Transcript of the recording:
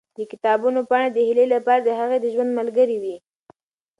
د کتابونو پاڼې د هیلې لپاره د هغې د ژوند ملګرې وې.